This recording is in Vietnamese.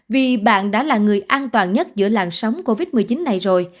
vì bạn đã là người an toàn nhất giữa làn sóng covid một mươi chín này rồi